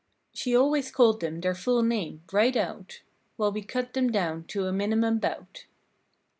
She always called them their full name, right out. While we cut them down to a minimum 'bout.